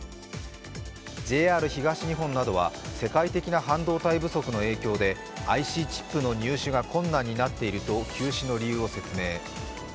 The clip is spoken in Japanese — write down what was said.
ＪＲ東日本などは世界的な半導体不足の影響でＩＣチップの入手が困難になっていると休止の理由を説明。